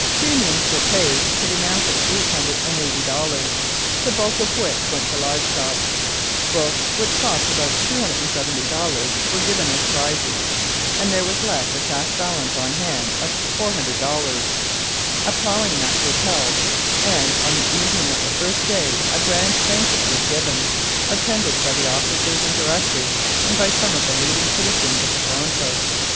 Premiums were paid to the amount of $880, the bulk of which went to live stock; books, which cost about $270, were given as prizes; and there was left a cash balance on hand of $400. A ploughing match was held, and on the evening of the first day a grand banquet was given, attended by the officers and directors and by some of the leading citizens of Toronto.